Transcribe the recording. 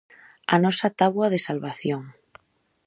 A nosa táboa de salvación.